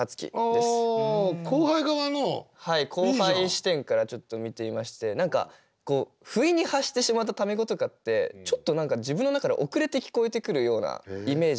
後輩視点からちょっと見てみまして何か不意に発してしまったタメ語とかってちょっと何か自分の中で遅れて聞こえてくるようなイメージが。